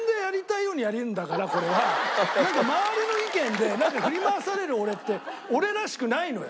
俺やっぱりなんか周りの意見で振り回される俺って俺らしくないのよ。